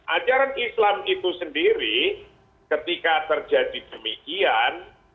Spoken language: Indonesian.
ajaran islam itu sendiri ketika terjadi demikian